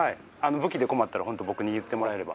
武器で困ったら僕に言ってもらえれば。